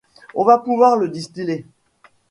on va pouvoir le distiller.